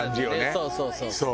そうそうそうそう。